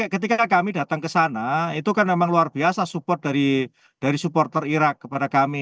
ketika kami datang ke sana itu kan memang luar biasa support dari supporter irak kepada kami